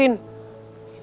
ini kan udah malem